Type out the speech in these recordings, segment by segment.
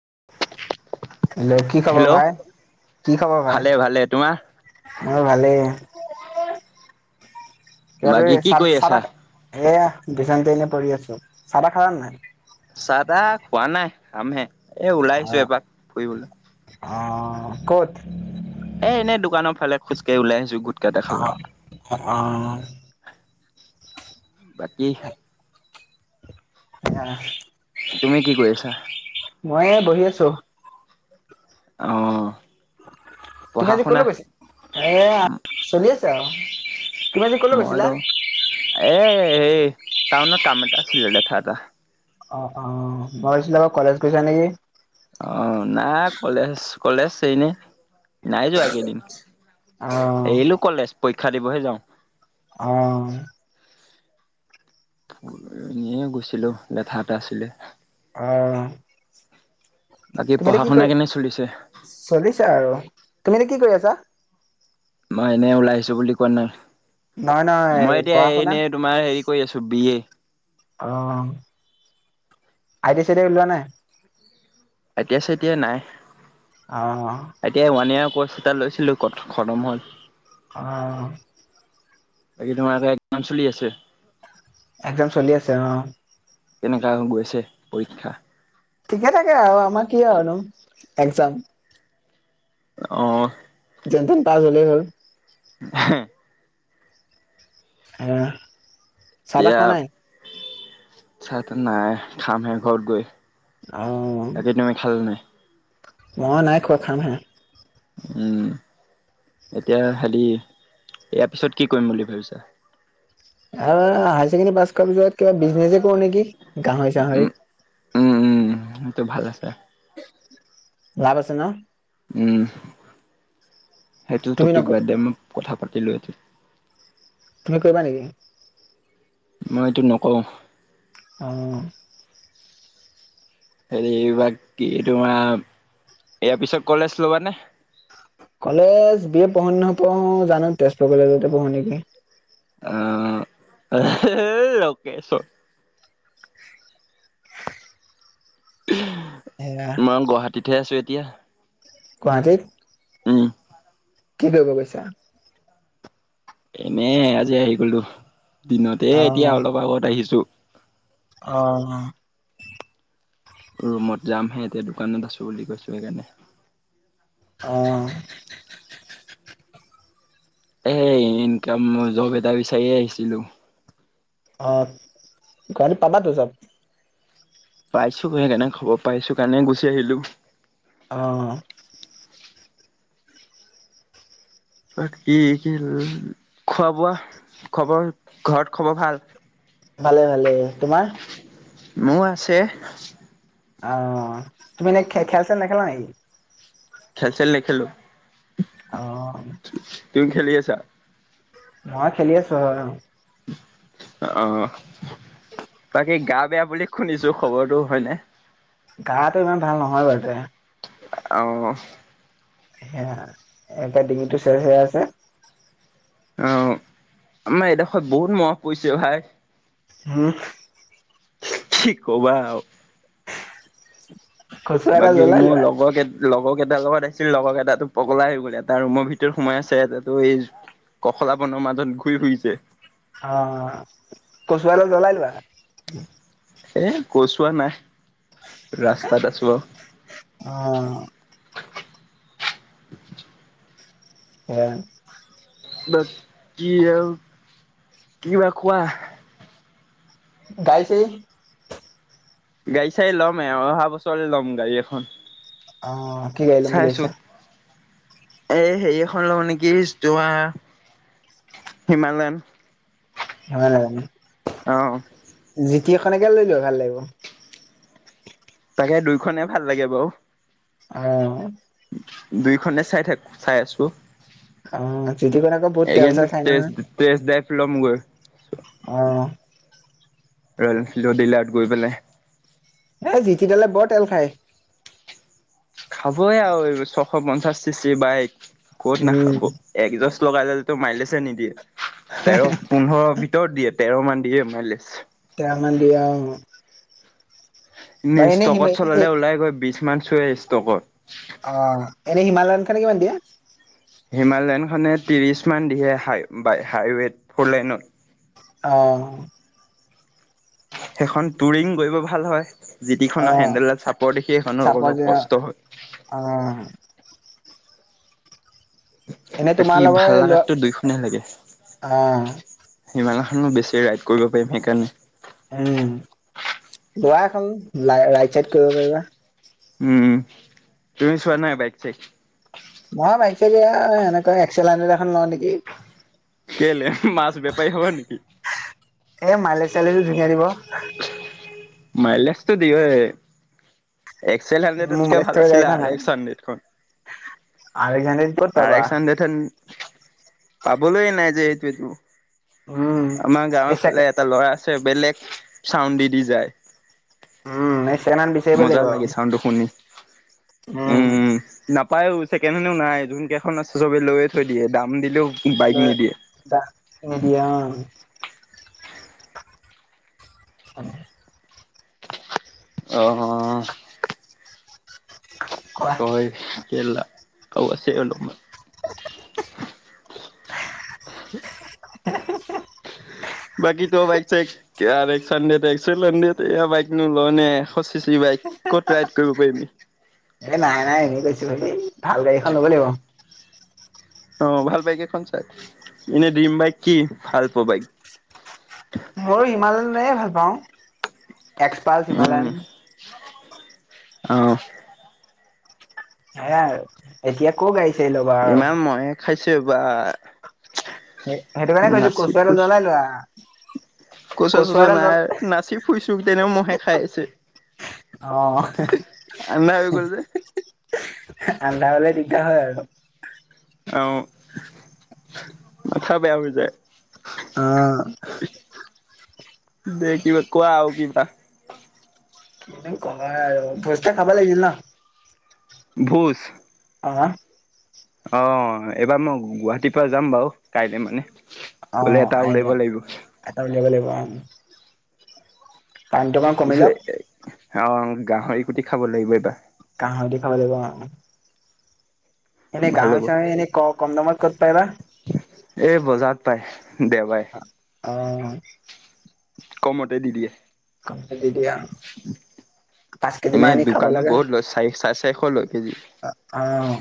[unintelligible] Hello, কি খবৰ hello ভাই- কি খবৰ ভাই ভালে ভালে তোমাৰ মোৰো ভালেই। [unintelligible] [unintelligible] বাকী কি কৰি এয়া আছা [unintelligible] পৰি আছো চাহ-তাহ খালা নে নাই? চাহ - তাহ খোৱা নাই খামহে। এ ওলাই আহিছো অ এপাক ফুৰিবলৈ। অ, ক'ত? এ এনেই দোকানৰ ফালে খোজকাঢ়ি ওলাই আহিছো গোট অ', অ', অ', বাকী আইয়া। তুমি কি কৰি আছা মই এ বহি আছো। অ', তুমি পঢ়া আজি শুনা কলৈ গৈছ এ চলি আছ তে অ, [unintelligible] মইতো এইয়ে হেই টাউনত কাম এটা আছিলে লেঠা এটা। অ' অ' মই ভাবিছিলোঁ আকৌ কলেজ গৈছা নেকি? অ' নাই কলেজ কলেজ এনে নাই যোৱা কেইদিন। অ এইৰিলো কলেজ। পৰীক্ষা দিবহে যাওঁ। অহ' এইনিয়ে গৈছিলোঁ লেঠা এটা আছিলে। অহ' বাকী তুমি পঢ়া এতিয়া কি শুনা কৰি কেনে চলিছে চলিছে আৰু তুমি এতিয়া কি কৰি আছা? মই এনে ওলাই আহিছোঁ বুলি কোৱা নাই নহয় নহয় মই, এতিয়া পঢ়া শুনা এনেই তোমাৰ হেৰি কৰি আছোঁ B A. Oh' I T I চাই টি আই লোৱা নাই? আই টি আই চাই টি আই নাই। আহ কোৰ্চ। টা লৈছিলো কত খতম হ'ল অ', বাকী তোমাৰ এতিয়া একজাম চলি আছে একজাম চলি আছে অ কেনেকুৱা হৈ গৈছে পৰীক্ষা ঠিকে থাকে আও আমাৰ কি আৰুনো একজাম অ যেন তেন পাছ হলে হ'ল হে অহ চাহা তাহ এতিয়া খোৱা নাই চাহ তাহ নাই খামহে ঘৰ গৈ অ', তাকেই তুমি খালা নাই মই নাই খোৱা খাম হে উম এতিয়া হালি ইয়াৰ পিছত কি কৰিম বুলি ভাবিছা আৰু হায়াৰ ছেকেণ্ডী পাছ কৰাৰ পিছত কিবা বিজনেছে কৰো নেকি গাহৰি চাহৰি সেটো ভাল আছে লাভ আছে ন উম সেইটো তুমি টপিক নক বাদ দে, উম কথা পাত [unintelligible] তুমি কৰিবা নেকি? মই এইটো নকওঁ অঁ হেৰি, বাকী তোমাৰ, ইয়াৰ পিছত কলেজ ল'বানে? কলেজ বি এ পঢ়ো নহাপঢ়ো জানো তেজপুৰ কলেজতে পঢ়ো নেকি আহ লকেশ এয়া মই গুৱাহাটীতহে আছো এতিয়া কিয়া গুৱাহাটীত উম কি কৰিব গৈছা? এনেই আজি আহি গলো দিনতে এতিয়া অলপ আগত আহিছো অঁ ৰুমত যামহে এতিয়া দোকানত আছো বুলি কৈছো সেইকাৰণে অঁ এ ইনকামৰ জব এটা বিচাৰিয়ে আহিছিলো অঁ গুৱাহাটীত পাবা তো চব পাইছো সেইকাৰণ খবৰ পাইছো কাৰণে গুচি আহিলো। অঁ ত কি কি খোৱা বোৱা খবৰ ঘৰত খবৰ ভাল ভালে ভালে তোমাৰ মোৰ আছে অ তুমি এনে খে খেল-চেল নেখেলা নেকি? খেল খেল নেখেলো। অঁ তুমি খেলি আছা? মই খেলি আছো, হয় অঁ। অ বাকী গা বেয়া বুলি শুনিছো খবৰটো হয়নে? গাটো ইমান ভাল নহয় বাৰু দে। অঁহ হেয়া এটা ডিঙিটো চেৰ চেৰাই আছে অঁ আমাৰ এডোখৰত বহুত মহ পৰিছেও ভাই হম কি ক'বা অ' কচুৱা এটা বাকী জ্বলাই মোৰ লোৱা লগৰ কেট লগক টাৰ লগত আহিছিল লগৰ এটো পগলা হৈ গ'ল এটা ৰুমৰ ভিতৰত সোমাই আছে এটাতো এই কখলা বনৰ মাজত ঘূৰি ফুৰিছে। অঁ কচুৱা এডাল জলায় লোৱা এ কচুৱা নাই। ৰাস্তাত আছো আও অঁ সেয়াই বাছ, কি আৰু কিবা কোৱা গাড়ী- চাৰি গাড়ী চাৰি ল'মে অহা, অহা বছৰলৈ ল'ম গাড়ী এখন। [unintelligible] অহ, কি গাড়ী লম বুলি ভাবিছা? এই হেৰি এখন লম নেকি তোমাৰ হিমালয়ান। ভাল, অ যি এখননেকে লৈ লোৱা ভাল লাগিব। তাকে দুইখনে ভাল লাগে বাৰু। অহ। দুই খনে চাই থাকো, চাই আছো। অহ, জিতি খন আকৌ বহুত তেল চেল এইকেইদিনত খাই টেষ্ট নহয়। টেষ্ট ড্ৰাইভ লমগৈ অহ'। ৰয়াল এনফিয়েল্ড ৰ দিলাৰত গৈ পেলাই। এ, জিটি দলে বৰ তেল খায়। খাবই আৰু ছশ পঞ্চাশ চি চি বাইক। ক'ত উম নাখাব। একজচ লগাই ললে টো মাইলে চে নিদিয়ে। তেৰ পোন্ধৰ ভ ভৰ দিয়ে তেৰ মান দিয়ে মাইলিচ। তেৰ মান দিয়ে আৰু অ'। এনে ষ্টকত চলালে ওলাই গৈ বি সিমান চোৱে ষ্টকত। উন খনে কিমান দিয়ে? হিমালয়নখনে ত্ৰিশ মান দিহে হাই-বাই-হাইৱেত ফৰলেনত। অ'। সেইখন টুৰিং গৰিব ভাল হয়। জিটি অ খনৰ হেন্দেল দাল চাপৰ দেখি সেইখনৰ চাপৰ অলপ দিয়া কষ্ট হয়। অ এনেই তোমাৰ বাকী লগৰ ভাল লোৱা, লাগাতো দুইখনেই অ'। হিমালয়খনত বেছি ৰাইড কৰিব পাৰিম সেইকাৰণে। উম, লোৱা এখন ৰাইট চাইড কৰিব পাৰিবা। উম, তুমি চোৱা নাই বাইক চাইক? মই বাইক চাইক এইয়া এনেকা একচেল হান্দ্ৰেদ এখন লওঁ নেকি। কেলে মাছ বেপাৰী হ'ব নেকি? এ মাইলেছ চাইলেজও ধুনীয়া দি'ব। মাইলেছটো দিয়য়ে। এক্সেল মোৰ হাড্ৰেডতকে মাইলেজ ভাল থকা গাড়ী আছিলে এখন আৰ লাগে এক্স হাড্ৰেডখন। হাণ্ড্ৰেডখন [unintelligible] পাবলৈ নাই যে এইটো, এইটো। উম আমাৰ এই গাঁওৰ ফালে চেকে এটা ল'ৰা আছে। বেলেগ চাউণ্ড দি দি যায়। উম এই ছেকেণ্ড হেণ্ড বিচাৰিব মজা লাগিব লাগে চাউনটো শুনি উম নাপায়ো। চেকেনহেড্ নাই যোন কেইখন আছে চবে লৈয় থৈ দিয়ে দাম দিলেও বাইক নিদিয়ে। এ নডিয়া [unintelligible] আহ কোৱা হয়। এলা [unintelligible] [unintelligible] [unintelligible] [unintelligible] [unintelligible] এ নাই নাই এনেই কৈছো ভাবি ভাল গাড়ীখন লৱ লাগিব। অ ভাল বাইক এখন চাই এনে ড্ৰিম বাইক কি ভাল পোৱা বাইক। মোৰ ইমানে ভাল পাওঁ। X pulse Himalayan. আহ। সেয় আৰু এতিয়া ক গাড়ী চাৰি ল'বা আৰু ইমান মহে খাইছে। [unintelligible] সেইটো কাৰণে কৈছো কচুৱাটো জ্বলাই লোৱা। কচুৱা কচু চচুৱা এডাল জ্বল নাই নাচি ফুৰিছো তেনেও মহে খাই আছে। অ, আন্ধা হৈ [unintelligible] গ'ল যে এন্ধাৰ হ'লে দিগদাৰ হয় আৰু। অও। হৈ যায় [unintelligible] অও,। দে কিবা কোৱা আউ কিবা। কি কবা আৰু পইচা খাবা লাগিছিল না। ভোজ। আমা অ এইবা মই গুৱাহাটী পৰা যাম বাউ কাইলে মানে। বোলে এটা উলেব লাগিব। [unintelligible] পাম তুমা কমি লক হাউ গাহৰি কুটি খাব লাগিব এইবাৰ। গাহৰি খাব লাগিব অ। এনে ভাল গাহৰি হ'ব চাহৰি এনে ক কম দামত ক'ত পাই বা। এ বজাৰত পায়। দেওবাৰে। অ কমতে দি দিয়ে। ক দি দিয়া পাঁচ কেজি মান আনি খাব লাগে। শেষলৈ আ অঁ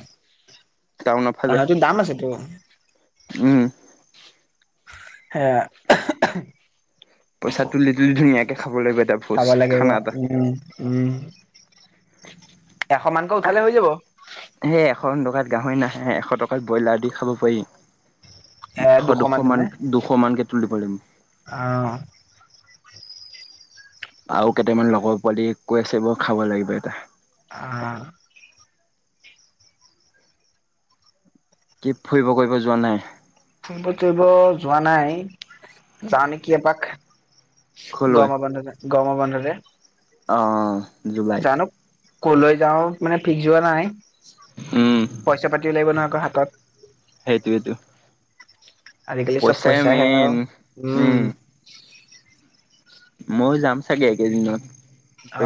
টাউনৰ ফালে তাহাটো দাম আছেতো। উম হেয়া [unintelligible] পইচা তুলি তুলি ধুনীয়াকে খাব লাগিব এটা ভোজ খাব লাগিব খানা এটা উম উম। [unintelligible] এশ মানকৈ উঠালে হৈ যাব। সেই এশ টকাত গাহৰি নাহে এশ টকাত ব্ৰইলাৰ দি খাব পাৰি। এশ দুশ মান দুশ মান কে তুুলি পলিম আ অ আউ কেতামান লগ পোৱালি কৈ আছে ব খাব লাগিব এটা আ কিপ ফুইব কইব যোৱা নাই ফুইব চুইব যোৱা নাই যাওঁ নেকি এপাক কলৈ গ-অম বন্ধতে গ-অম বন্ধতে অঁ জুলাইত জানো কলৈ যাও মানে ফিক্স যোৱা নাই উম পইচা পাতি ও লাগিব নহয় আকৌ হাত তত সেইটোৱেটো আজিকালি চব পইচাহে আউ উম [unintelligible] ময়ো যাম চাগে এইকেদিনত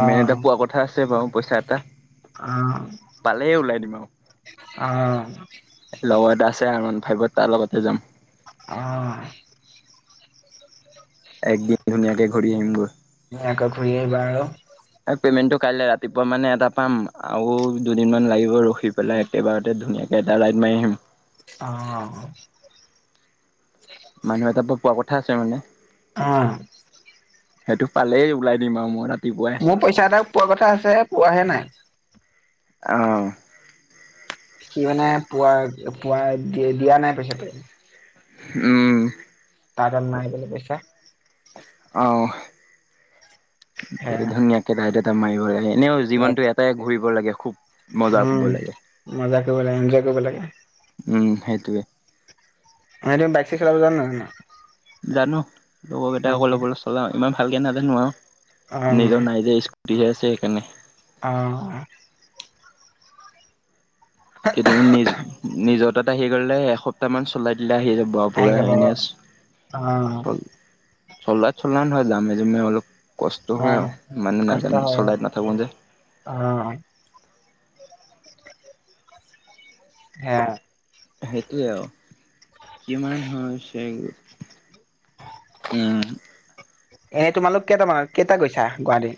অ এটা পোৱা কথা আছ ছে বাও পইচা এটা। অ পালে ওলাই দিম আও। অ। লগত আছে আৰু ফাইভত তাৰ লগতে যাম। অ। একদিন ধুনীয়াকে ঘূৰি আহিমগৈ। হেল্ল' পে'মেণ্টটো কাইলৈ ৰাতিপুৱা মানে এটা পাম আৰু দুদিনমান লাগিব ৰখ খি পেলাই একেবাৰতে ধুনীয়া এটা ৰাইদ মাৰি আহিম। অ। মানুহ এটাৰ পৰা পোৱা কথা আছে মানে। অ। সেইটো পালেই ওলাই দিম আৰু মই তাত। মোৰ পইচা এটা পোৱা কথা আছে পোৱাহে নাই। আহঁ। সি মানে পোৱা পোৱাই দি দিয়া নাই পইচাটো। আহ। তাৰ তাত নাই বোলে পইচা। আহ। হে ধুনীয়াকে ৰাইডত এ মায়ূৰে এনেও জীৱনটো এটাই ঘূৰিব কৰিব লাগে খুব। মজা কৰিব উম লাগে মজা কৰিব লাগে এনজয় কৰিব লাগে। সেইটোৱে। ভাইটিয়ে বাইক চাইক চলাব জানা নাজানা। জানো। লগৰকেইটা ক'বালৈ গ'লে চলাওৱে। ইমান ভালকৈ নাজানো অ আৰু। নিজৰ নাইযে স্কু দিয়ে যে সেইকাৰণে। অহ। কেইদিনমান নিজ নিজৰ তাত আহি গ'লে, এসপ্তাহ মান চলাই দিলে আহি যাব। বাহ' আহি পোৰা যাব অ এনচল। চলাত চলন হয়, জামে জামে অলপ। কষ্ট অ হয় আৰু মানে কষ্ট নাজানো, হয় চলাই নাথাকো যে। অ সেইয়া। সেইটোৱে আৰু কিমান হৈছে, উহ। এনে তোমালোক কেইটামানত, কেইটা গৈছা গুৱাহাটী।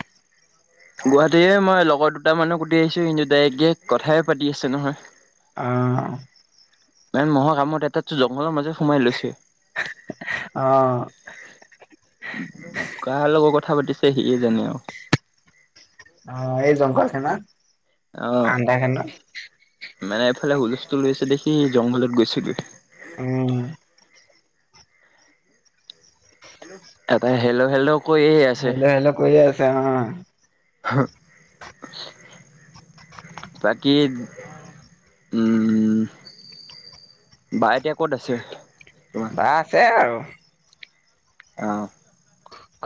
গুৱাহাটীৰে মই লগৰ দুটা মানৰ সুটি আহিছো, সিহঁতে ডাইৰেক্ট ডাইৰেক্ট কথাই পাতি আছে নহয়। আহ। ভাই ম'হৰ কামোত এটাটো জংঘলৰ মাজে সোমাই লৈছে। অহ। কাৰ লগত কথা পাতিছে সিয়ে জানে আও। অহ' এইজন [unintelligible] অ আন্ধাৰ খনত। মানে এইফালে হুলস্থুল লৈছে দেখি সি জংঘলত গৈছেগৈ। উম। এটাই হেল্ল' হেল্ল' কৈ আছে হেল্ল' হেল্ল' কৈয়ে আছে অঁ'। হহ বাকী, উম্ বাই এতিয়া ক'ত আছে? তোমাৰ বা আছে আৰু। অহ।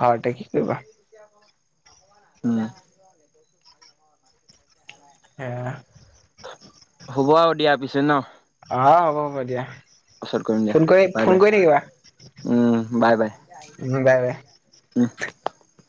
ঘৰতে কি কৰিবা। উম। হেইয়া। হ'ব আৰু দিয়া পিছে ন। অ' হ'ব হ'ব দিয়া। পাছত ফোন কৰি কৰিম ফোন কৰি থাকিবা দিয়া বাই, বাই উম বাৰে বাৰে। বাই, বাই। উহ।